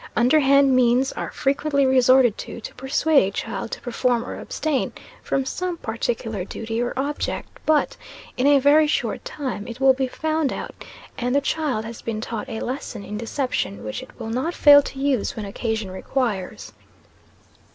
Underhand means are frequently resorted to, to persuade a child to perform or abstain from some particular duty or object; but in a very short time it will be found out, and the child has been taught a lesson in deception which it will not fail to use when occasion requires.